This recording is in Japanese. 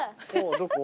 どこ？